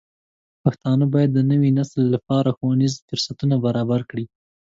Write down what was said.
پښتانه بايد د نوي نسل لپاره ښوونیز فرصتونه برابر کړي.